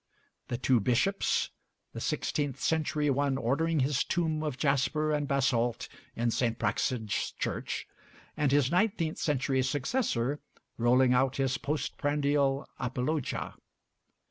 The 'Two Bishops': the sixteenth century one ordering his tomb of jasper and basalt in St. Praxed's Church, and his nineteenth century successor rolling out his post prandial Apologia.